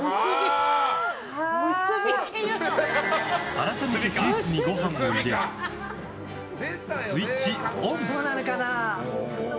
改めて、ケースにご飯を入れスイッチオン。